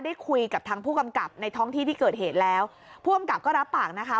ได้คุยกับทางผู้กำกับในท้องที่ที่เกิดเหตุแล้วผู้กำกับก็รับปากนะคะ